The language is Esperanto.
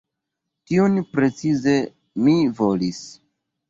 tion precize mi volis.